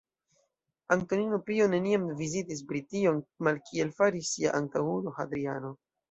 Antonino Pio neniam vizitis Brition, malkiel faris sia antaŭulo Hadriano.